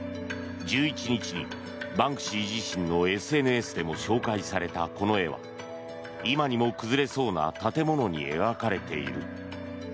１１日にバンクシー自身のＳＮＳでも紹介されたこの絵は今にも崩れそうな建物に描かれている。